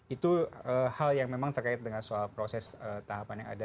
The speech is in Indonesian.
itu hal yang memang terkait dengan soal proses tahapan yang ada